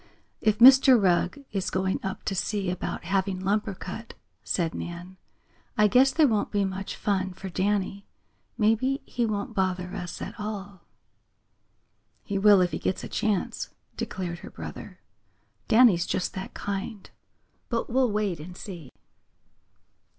"If Mr. Rugg is going up to see about having lumber cut," said Nan, "I guess there won't be much fun for Danny. Maybe he won't bother us at all." "He will if he gets a chance," declared her brother. "Danny's just that kind. But we'll wait and see."